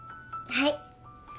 はい。